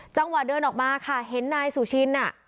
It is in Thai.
จังหวะเดินออกมาค่ะเห็นนายสุชิน